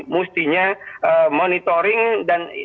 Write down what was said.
mustinya monitoring dan